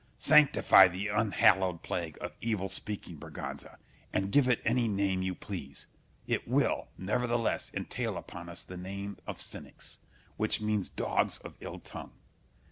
Sanctify the unhallowed plague of evil speaking, Berganza, and give it any name you please, it will, nevertheless entail upon us the name of cynics, which means dogs of ill tongue.